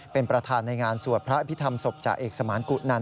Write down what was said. เป็นประธานในงานสวดพระอภิษฐรรมศพจ่าเอกสมานกุนัน